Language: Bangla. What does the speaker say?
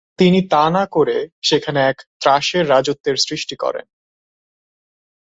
তিনি তা না করে সেখানে এক ত্রাসের রাজত্বের সৃষ্টি করেন।